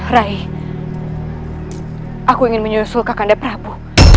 rai aku ingin menyusul ke kandai prabu